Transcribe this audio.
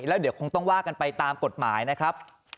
แล้วเดี๋ยวคงต้องว่ากันไปตามกฎหมายนะครับ